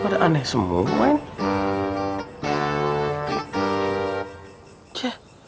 pada aneh semuanya